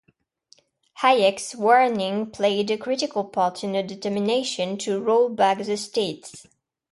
Hayek's warning played a critical part in her determination to 'roll back the state.